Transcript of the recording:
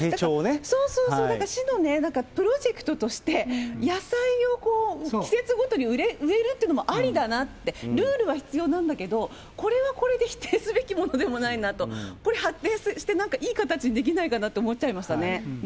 そうそうそう、だから市のプロジェクトとして、野菜を季節ごとに植えるっていうのもありだなって、ルールは必要なんだけど、これはこれで否定すべきものでもないなと、これ、発展して、何かいい形にできないかなって思っちゃいましたね。